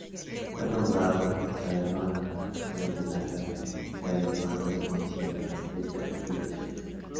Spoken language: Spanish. Fue nombrado Taiyuan en homenaje a Taiyuan provincia de la República Popular China.